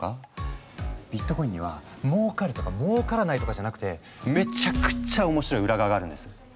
ビットコインにはもうかるとかもうからないとかじゃなくてめちゃくちゃ面白い裏側があるんです。